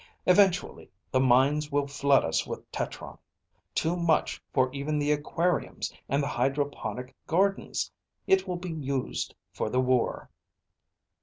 Eventually the mines will flood us with tetron, too much for even the aquariums and the hydroponic gardens. It will be used for the war."